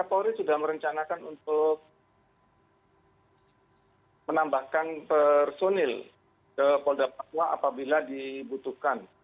polri sudah merencanakan untuk menambahkan personil ke polda papua apabila dibutuhkan